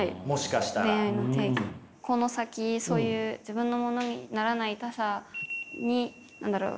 この先そういう自分のものにならない他者に何だろう？